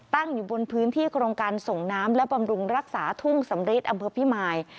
ตั้งอยู่บนพื้นที่โครงการส่งน้ำและบำรุงรักษาทุ่งสำริทอำเภอพิมาย